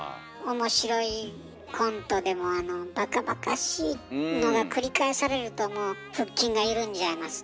面白いコントでもバカバカしいのが繰り返されるともう腹筋が緩んじゃいますね。